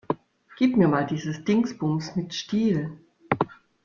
Gib mir mal dieses Dingsbums mit Stiel.